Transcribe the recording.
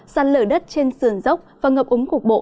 sạt lở đất trên sườn dốc và ngập úng cục bộ